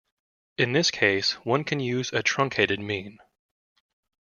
In this case, one can use a truncated mean.